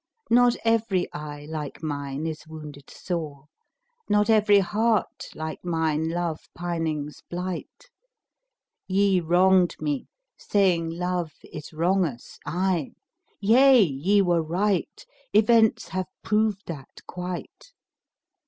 Not every eye like mine is wounded sore, * Not every heart like mine love pipings blight: Ye wronged me saying, Love is wrongous aye * Yea! ye were right, events have proved that quite.